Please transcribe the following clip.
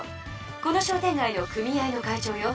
この商店がいの組合の会長よ。